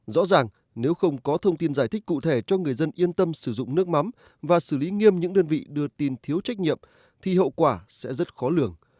rõ ràng nếu không có thông tin giải thích cụ thể cho người dân yên tâm sử dụng nước mắm và xử lý nghiêm những đơn vị đưa tin thiếu trách nhiệm thì hậu quả sẽ rất khó lường